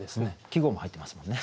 季語も入ってますもんね。